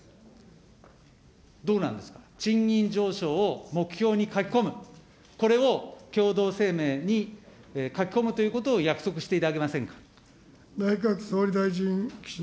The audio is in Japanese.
どうなんですか、賃金上昇を目標に書き込む、これを共同声明に書き込むということを約束していただけませんか。